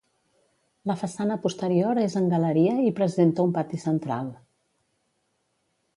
La façana posterior és en galeria i presenta un pati central.